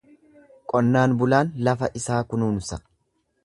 Qonnaan bulaan lafa isaa kunuunsa.